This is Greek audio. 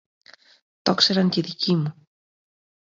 Τόξεραν και οι δικοί μου